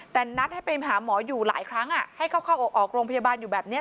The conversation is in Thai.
แต่นัดให้ไปหาหมออยู่หลายครั้งให้เขาเข้าออกโรงพยาบาลอยู่แบบนี้